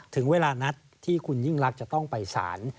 ถึงเวลานัดที่คุณยิ่งรักจะต้องไปสาร